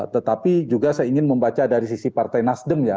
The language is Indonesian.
tetapi juga saya ingin membaca dari sisi partai nasdem ya